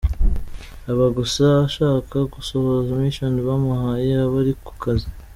Aba gusa ashaka gusohoza mission bamuhaye, aba ari ku kazi.